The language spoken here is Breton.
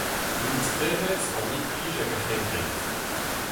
Ministrerezh an implij hag ar c'hrengred.